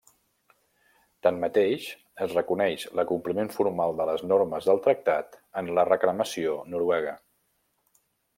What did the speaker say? Tanmateix, es reconeix l'acompliment formal de les normes del Tractat en la reclamació noruega.